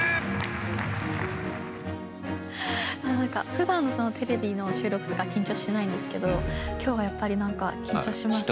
ふだんのテレビの収録とかは緊張しないんですけどきょうはやっぱり緊張します。